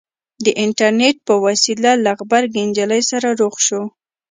د اينټرنېټ په وسيله له غبرګې نجلۍ سره رخ شو.